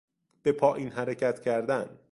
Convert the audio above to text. به پایین حرکت کردن